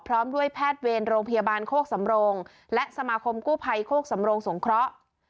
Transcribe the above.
พร้อมด้วยแพทย์เวรโรงพยาบาลโคกสำโรงและสมาคมกู้ภัยโคกสำโรงสงเคราะห์